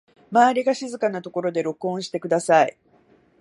周りが静かなところで録音してください